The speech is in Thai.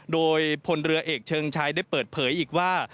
โดยพลเรือเอกเชิงชัยได้เปิดเผยอีกว่า